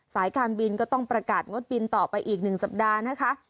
สายการบินก็ต้องประกาศงดบินต่อไปอีก๑สัปดาห์นะคะ